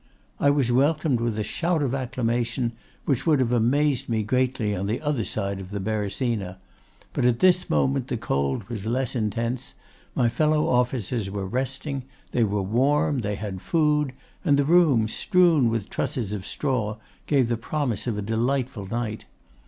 I was welcomed with a shout of acclamation, which would have amazed me greatly on the other side of the Beresina; but at this moment the cold was less intense; my fellow officers were resting, they were warm, they had food, and the room, strewn with trusses of straw, gave the promise of a delightful night.